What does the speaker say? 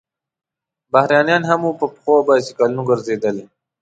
بهرنیان هم وو، په پښو او بایسکلونو ګرځېدل.